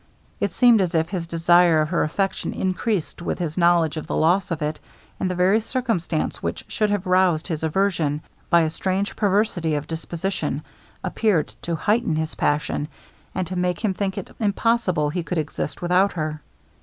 It seemed as if his desire of her affection increased with his knowledge of the loss of it; and the very circumstance which should have roused his aversion, by a strange perversity of disposition, appeared to heighten his passion, and to make him think it impossible he could exist without her.